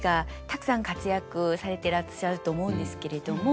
たくさん活躍されてらっしゃると思うんですけれども。